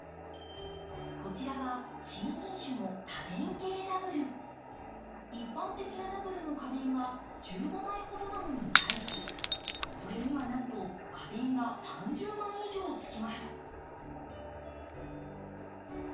こちらは新品種の一般的なダブルの花弁が１５枚ほどなのに対しこれにはなんと花弁が３０枚以上つきます。